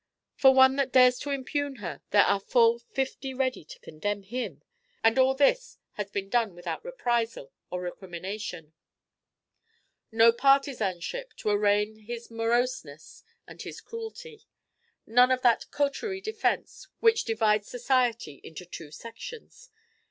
For one that dares to impugn her, there are full fifty ready to condemn him; and all this has been done without reprisal or recrimination; no partisanship to arraign his moroseness and his cruelty, none of that 'coterie' defence which divides society into two sections.